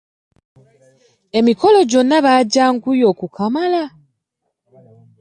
Emikolo gyonna baagyanguya okukamala.